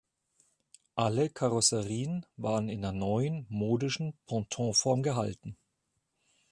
Alle Karosserien waren in der neuen, modischen Pontonform gehalten.